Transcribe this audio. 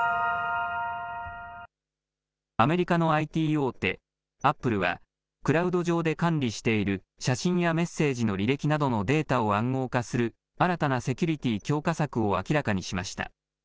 アメリカのＩＴ大手、アップルはクラウド上で管理している写真やメッセージの履歴などのデータを暗号化する新たなセキュリティー強化策を明らかにしました。